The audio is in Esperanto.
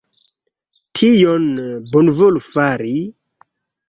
Tion... Bonvolu fari...